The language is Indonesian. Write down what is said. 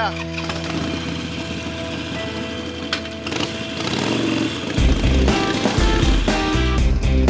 ya itu dia